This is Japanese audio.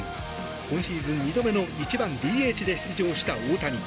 今シーズン２度目の１番ＤＨで出場した大谷。